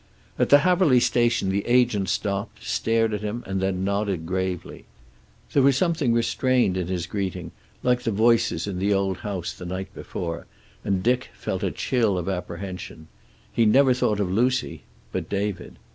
At the Haverly station the agent stopped, stared at him and then nodded gravely. There was something restrained in his greeting, like the voices in the old house the night before, and Dick felt a chill of apprehension. He never thought of Lucy, but David...